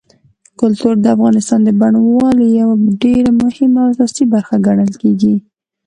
کلتور د افغانستان د بڼوالۍ یوه ډېره مهمه او اساسي برخه ګڼل کېږي.